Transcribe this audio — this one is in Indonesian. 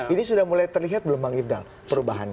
ini sudah mulai terlihat belum bang ifdal perubahan